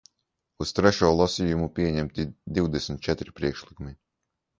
Uz trešo lasījumu saņemti divdesmit četri priekšlikumi.